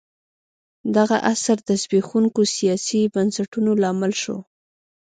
دغه عصر د زبېښونکو سیاسي بنسټونو لامل شو.